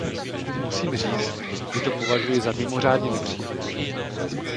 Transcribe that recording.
Musím říci, že to považuji za mimořádně nepříjemné.